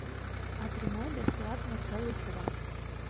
Атрымай бясплатна цэлых два!